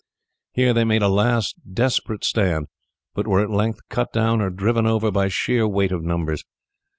Here they made a last desperate stand, but were at length cut down or driven over by sheer weight of numbers.